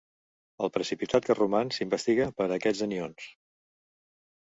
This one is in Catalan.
El precipitat que roman s'investiga per a aquests anions.